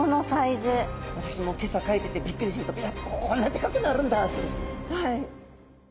私も今朝描いててびっくりいやこんなでかくなるんだってはい。